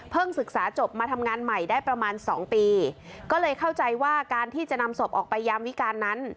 ศึกษาจบมาทำงานใหม่ได้ประมาณสองปีก็เลยเข้าใจว่าการที่จะนำศพออกไปยามวิการนั้น